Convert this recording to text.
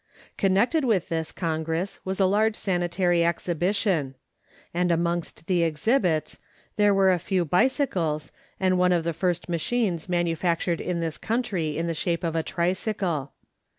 Connected with this congress was a large sanitary exhibition ; and amongst the exhibits there were a few bicycles and one of the first machines manufactured in this country in the shape of a tricycle.